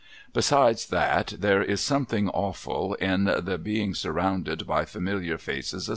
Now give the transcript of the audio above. Besides that there is something awful in the being surrounded by familiar faces ^.